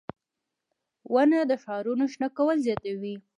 • ونه د ښارونو شنه کول زیاتوي.